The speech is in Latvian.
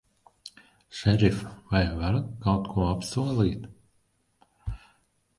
Šerif, vai varat kaut ko apsolīt?